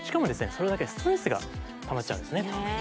それだけでストレスがたまっちゃうんですね